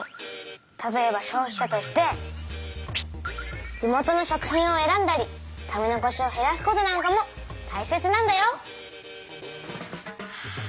例えば消費者として地元の食品を選んだり食べ残しをへらすことなんかもたいせつなんだよ。は。